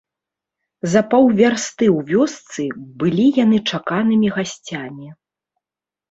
За паўвярсты ў вёсцы былі яны чаканымі гасцямі.